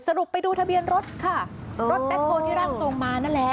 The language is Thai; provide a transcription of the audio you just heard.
ไปดูทะเบียนรถค่ะรถแบ็คโฮที่ร่างทรงมานั่นแหละ